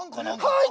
はい！